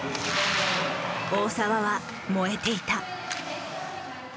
大澤は燃えていた。